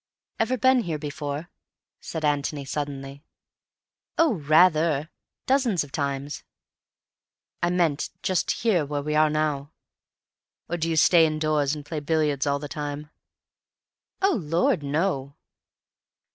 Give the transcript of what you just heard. "Ever been here before?" said Antony suddenly. "Oh, rather. Dozens of times." "I meant just here—where we are now. Or do you stay indoors and play billiards all the time?" "Oh Lord, no!"